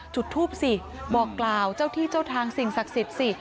จุดทูปสิบอกกล่าวเจ้าที่เจ้าทางสิ่งศักดิ์สิทธิ์สิ